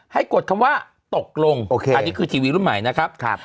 กดคำว่าตกลงอันนี้คือทีวีรุ่นใหม่นะครับ